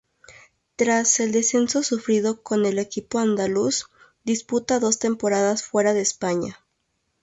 Tras el descenso sufrido con el equipo andaluz, disputa dos temporadas fuera de España.